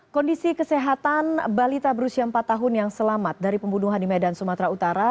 kondisi kesehatan balita berusia empat tahun yang selamat dari pembunuhan di medan sumatera utara